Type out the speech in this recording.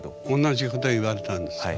同じこと言われたんですか？